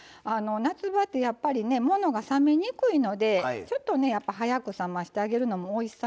夏場ってやっぱりねものが冷めにくいのでやっぱり早く冷ましてあげるのもおいしさのコツなんですよ。